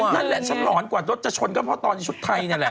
นั่นแหละช้ำหลอนกว่าทรศจชนกับฮตอนชุดไทยนี่แหละ